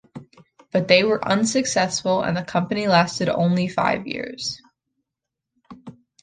But they were unsuccessful and the company lasted only five years.